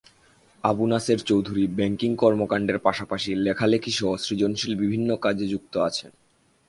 Abu Naser Chowdhury banking কর্মকাণ্ডের পাশাপাশি লেখালেখিসহ সৃজনশীল বিভিন্ন কাজে যুক্ত আছেন।